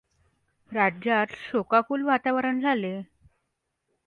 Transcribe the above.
राज्यात शोकाकुल वातावरण झाले.